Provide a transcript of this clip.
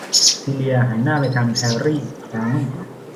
ซีเลียหันหลังให้แฮร์รี่อีกครั้ง